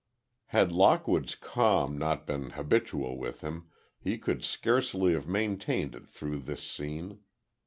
Had Lockwood's calm not been habitual with him, he could scarcely have maintained it through this scene.